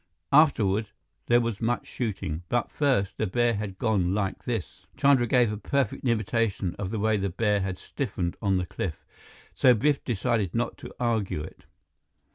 Afterward, there was much shooting. But first, the bear had gone like this." Chandra gave a perfect imitation of the way the bear had stiffened on the cliff. So Biff decided not to argue it.